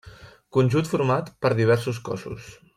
Conjunt format per diversos cossos.